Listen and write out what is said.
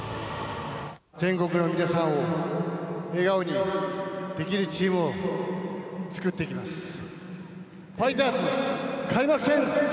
全国の皆さんを笑顔にできるチームを作っていきます。